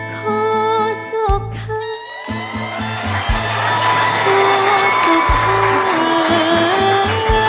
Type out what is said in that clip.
ขอสุขค่ะขอสุขค่ะ